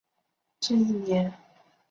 这一年哈尔滨毅腾成功冲上中甲。